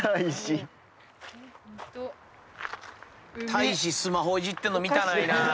「大使スマホいじってるの見たくないなぁ」